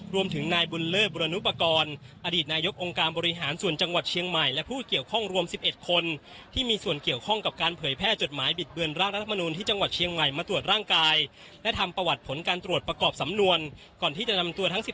รวมถึงนายบุลเลอร์บุรณุปกรณ์อดีตนายกองค์การบริหารส่วนจังหวัดเชียงใหม่